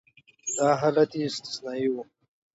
دا حالت یې استثنایي و.